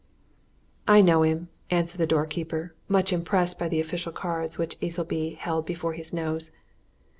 "I know him," answered the door keeper, much impressed by the official cards which Easleby held before his nose.